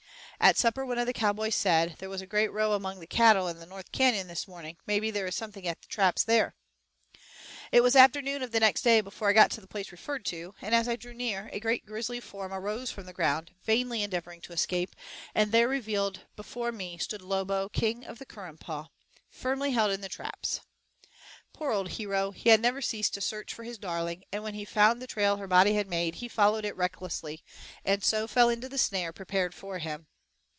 At supper one of the cowboys said, "There was a great row among the cattle in the north canyon this morning, maybe there is something in the traps there." It was afternoon of the next day before I got to the place referred to, and as I drew near a great grizzly form arose from the ground, vainly endeavoring to escape, and there revealed before me stood Lobo, King of the Currumpaw, firmly held in the traps. Poor old hero, he had never ceased to search for his darling, and when he found the trail her body had made he followed it recklessly, and so fell into the snare prepared for him.